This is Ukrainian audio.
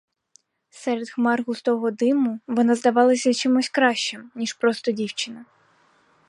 Серед хмар густого диму вона здавалась чимсь кращим, ніж проста дівчина.